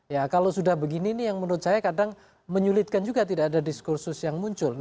ya kalau sudah begini ini yang menurut saya kadang menyulitkan juga tidak ada diskursus yang muncul